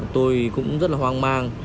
tôi cũng rất là hoang mang